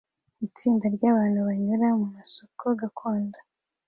Itsinda ryabantu banyura mumasoko gakondo